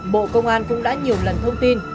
bộ công an cũng đã nhiều lần thông tin